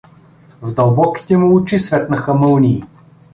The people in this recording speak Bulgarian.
В дълбоките му очи светнаха мълнии.